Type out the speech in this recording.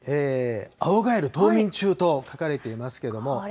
青ガエル冬眠中と書かれていますけども。